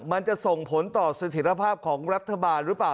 มันจะส่งผลต่อสถิตภาพของรัฐบาลหรือเปล่า